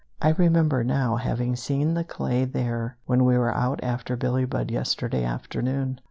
I remember now having seen the clay there when we were out after Billie Budd yesterday afternoon."